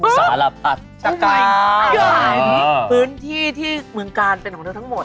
สารอัศกาลพื้นที่ที่เมืองกาลเป็นของเธอทั้งหมด